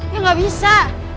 ya gak bisa